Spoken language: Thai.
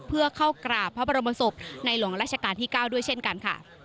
เพื่อเข้ากราบพระบรมศพในหลวงราชการที่๙ด้วยเช่นกันค่ะ